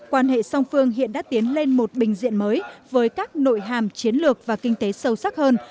quan hệ song phương hiện đã tiến lên một bình diện mới với các nội hàm chiến lược và kinh tế sâu sắc hơn